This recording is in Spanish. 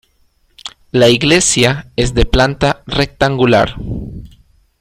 La iglesia es de planta rectangular.